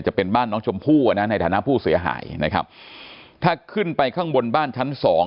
จะเป็นบ้านน้องชมพู่อ่ะนะในฐานะผู้เสียหายนะครับถ้าขึ้นไปข้างบนบ้านชั้นสอง